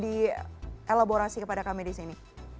dielaborasi kepada kami di sini